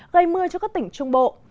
gây mưa cho các tỉnh trung bộ